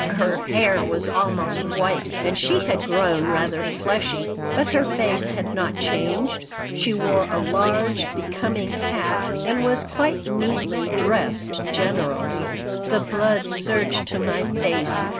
Her hair was almost white and she had grown rather fleshy, but her face had not changed. She wore a large, becoming hat and was quite neatly dressed generally The blood surged to my face.